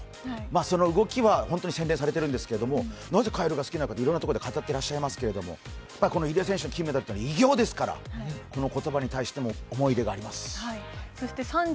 その動きは本当に洗練されているんですけれども、なぜかえるが好きなのか、いろいろなところで語っていらっしゃいますが入江選手の金メダルは偉業ですからその言葉に対しても思い入れがあります。